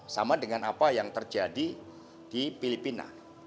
sama dengan apa yang terjadi di filipina